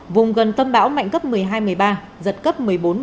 vùng gần tâm bão mạnh cấp một mươi hai một mươi ba giật cấp một mươi bốn một mươi năm